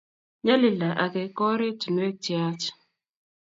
nyalilda age ko ortinwek cheyaach